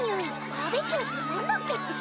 バーベキューってなんだっけつぎ？